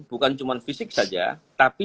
bukan cuma fisik saja tapi